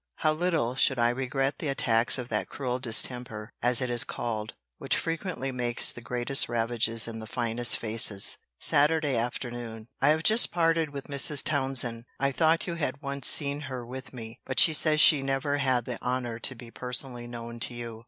—How little should I regret the attacks of that cruel distemper, as it is called, which frequently makes the greatest ravages in the finest faces! SAT. AFTERNOON. I have just parted with Mrs. Townsend.* I thought you had once seen her with me; but she says she never had the honour to be personally known to you.